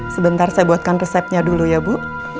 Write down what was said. sebentar saya buatkan resepnya dulu ya bu